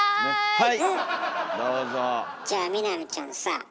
はい。